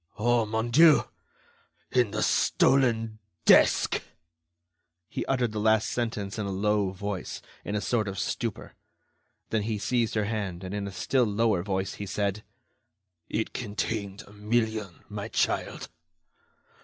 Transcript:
"Oh, mon Dieu!... In the stolen desk!" He uttered the last sentence in a low voice, in a sort of stupor. Then he seized her hand, and in a still lower voice, he said: "It contained a million, my child."